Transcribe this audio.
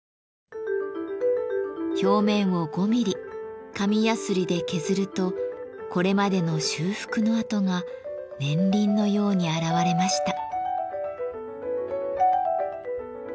表面を５ミリ紙やすりで削るとこれまでの修復の跡が年輪のように現れました。